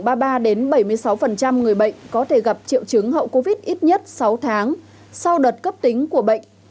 khoảng ba mươi ba bảy mươi sáu người bệnh có thể gặp triệu chứng hậu covid ít nhất sáu tháng sau đợt cấp tính của bệnh